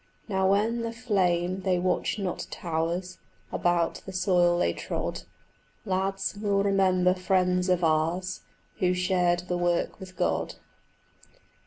Now, when the flame they watch not towers About the soil they trod, Lads, we'll remember friends of ours Who shared the work with God.